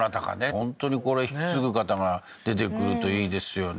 本当にこれ引き継ぐ方が出てくるといいですよね